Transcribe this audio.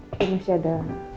aku masih ada